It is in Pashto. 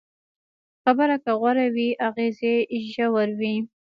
خبره که غوره وي، اغېز یې ژور وي.